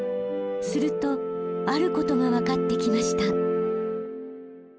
するとあることがわかってきました。